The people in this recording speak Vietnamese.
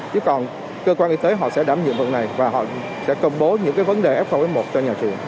chứ còn cơ quan y tế họ sẽ đảm nhiệm vụ này và họ sẽ công bố những vấn đề f một f một cho nhà trường